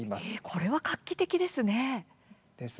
これは画期的ですね。